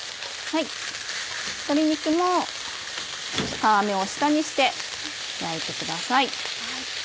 鶏肉も皮目を下にして焼いてください。